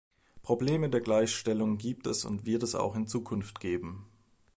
Probleme der Gleichstellung gibt es und wird es auch in Zukunft geben.